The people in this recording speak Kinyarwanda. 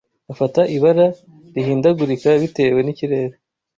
afata ibara rihindagurika bitewe n’ikirere